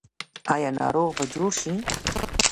آیا ناروغ به جوړ شي؟